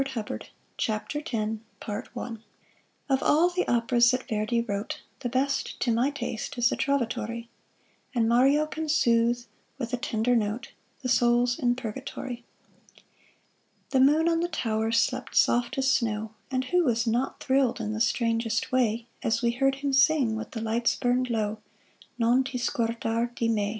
[Illustration: GIUSEPPE VERDI] GIUSEPPE VERDI Of all the operas that Verdi wrote, The best, to my taste, is the Trovatore; And Mario can soothe, with a tenor note, The souls in purgatory. The moon on the tower slept soft as snow; And who was not thrilled in the strangest way, As we heard him sing while the lights burned low, "Non ti scordar di me"?